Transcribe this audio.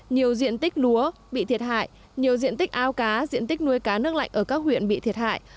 nhiều diện tích lúa bị thiệt hại nhiều diện tích ao cá diện tích nuôi cá nước lạnh ở các huyện bị thiệt hại